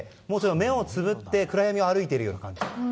目をつぶって暗闇を歩いている感じ。